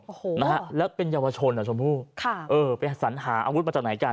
โอ้โหนะฮะแล้วเป็นเยาวชนอ่ะชมพู่ค่ะเออไปสัญหาอาวุธมาจากไหนกัน